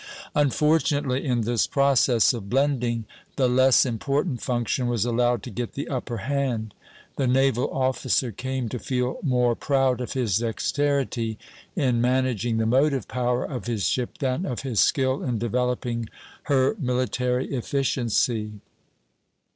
Unfortunately, in this process of blending, the less important function was allowed to get the upper hand; the naval officer came to feel more proud of his dexterity in managing the motive power of his ship than of his skill in developing her military efficiency.